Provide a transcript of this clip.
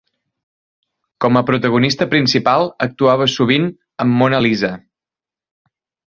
Com a protagonista principal, actuava sovint amb Mona Lisa.